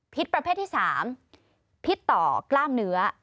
ประเภทที่๓พิษต่อกล้ามเนื้อ